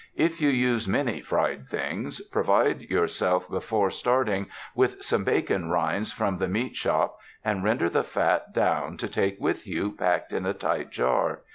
If you use many fried things, provide yourself be fore starting with some bacon rinds from the meat shop, and render the fat down to take with you packed in a tight jar.